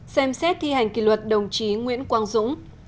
ba xem xét thi hành kỷ luật đồng chí nguyễn quang dũng